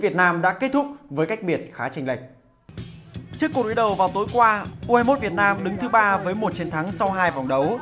trước cuộc đối đầu vào tối qua u hai mươi một việt nam đứng thứ ba với một chiến thắng sau hai vòng đấu